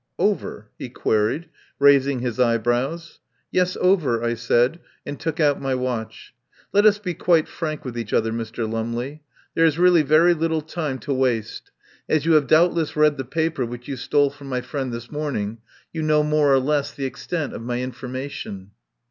"Over?" he queried, raising his eyebrows. "Yes, over," I said, and took out my watch. "Let us be quite frank with each other, Mr. Lumley. There is really very little time to 191 THE POWER HOUSE waste. As you have doubtless read the paper which you stole from my friend this morning you know more or less the extent of my in formation."